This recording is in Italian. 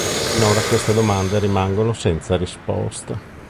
Finora queste domande rimangono senza risposta.